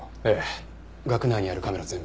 学内にあるカメラ全部。